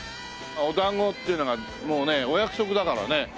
お団子っていうのがもうねお約束だからね。